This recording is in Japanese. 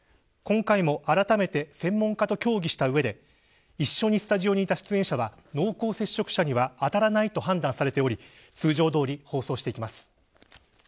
今回も、あらためて専門家と協議した上で一緒にスタジオにいた出演者は濃厚接触者にはあたらないと判断されており通常どおり、放送していきます。